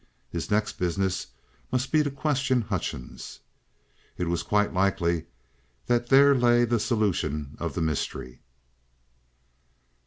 His next business must be to question Hutchings. It was quite likely that there lay the solution of the mystery.